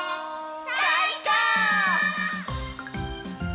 さいこう！